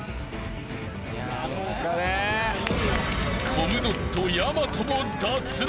［コムドットやまとも脱落］